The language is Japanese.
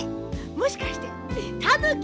もしかしてたぬき？